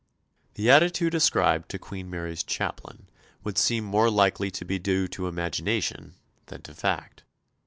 The attitude ascribed to Queen Mary's chaplain would seem more likely to be due to imagination than to fact.